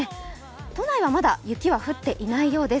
都内はまだ雪は降っていないようです。